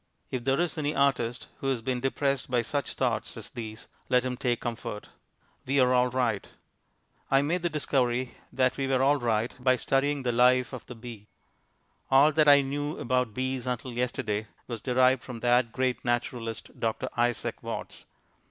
If there is any artist who has been depressed by such thoughts as these, let him take comfort. We are all right. I made the discovery that we were all right by studying the life of the bee. All that I knew about bees until yesterday was derived from that great naturalist, Dr. Isaac Watts.